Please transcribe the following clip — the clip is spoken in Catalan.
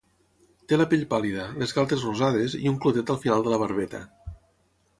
Té la pell pàl·lida, les galtes rosades, i un clotet al final de la barbeta.